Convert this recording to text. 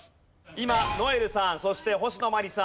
今如恵留さんそして星野真里さん